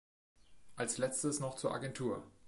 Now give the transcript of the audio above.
Als letztes noch zur Agentur.